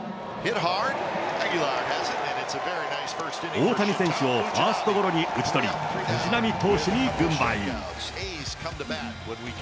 大谷選手をファーストゴロに打ち取り、藤浪投手に軍配。